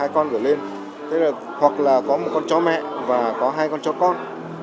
có một con chó mẹ và có hai con chó con